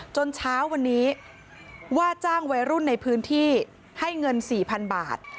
เช้าวันนี้ว่าจ้างวัยรุ่นในพื้นที่ให้เงิน๔๐๐๐บาท